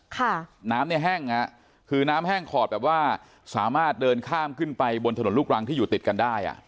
น้ำเนี่ยแห้งฮะคือน้ำแห้งขอดแบบว่าสามารถเดินข้ามขึ้นไปบนถนนลูกรังที่อยู่ติดกันได้อ่ะ